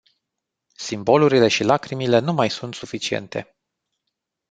Simbolurile și lacrimile nu mai sunt suficiente.